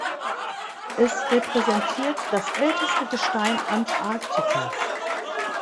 Es repräsentiert das älteste Gestein Antarktikas.